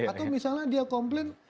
atau misalnya dia komplain